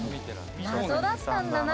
謎だったんだな